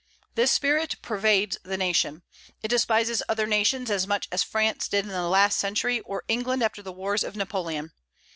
This spirit pervades the nation. It despises other nations as much as France did in the last century, or England after the wars of Napoleon.